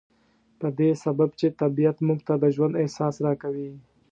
په دې سبب چې طبيعت موږ ته د ژوند احساس را کوي.